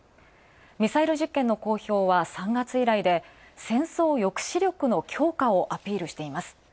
ミサイル実験の公表は３月以来で、戦争抑止力の強化をアピールしています。